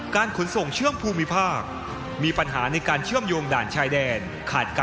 การขนส่งเชื่อมภูมิภาค